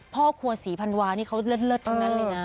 พ่อครัวศรีพันวานี่เขาเลิศทั้งนั้นเลยนะ